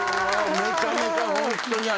めちゃめちゃホントにあの。